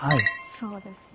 そうですね。